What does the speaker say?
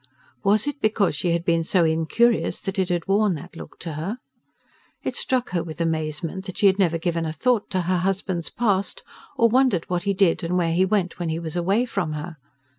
Was it because she had been so incurious that it had worn that look to her? It struck her with amazement that she had never given a thought to her husband's past, or wondered what he did and where he went when he was away from her.